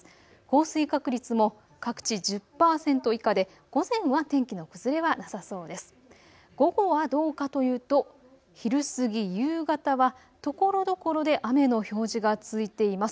降水確率も各地１０％以下で午前は天気の崩れはなさそうです。